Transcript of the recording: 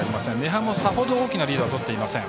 禰覇もさほど大きなリードはとっていません。